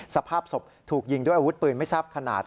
สภาพศพถูกยิงด้วยอาวุธปืนไม่ทราบขนาด